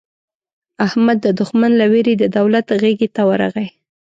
احمد د دوښمن له وېرې د دولت غېږې ته ورغی.